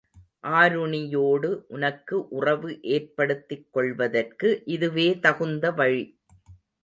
ஆருணியோடு உனக்கு உறவு ஏற்படுத்திக் கொள்வதற்கு இதுவே தகுந்த வழி.